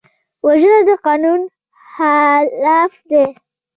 وژنه د قانون خلاف ده